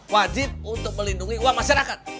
wajib untuk melindungi uang masyarakat